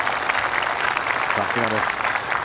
さすがです。